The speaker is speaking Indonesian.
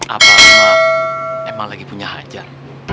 apa mak emang lagi punya hajar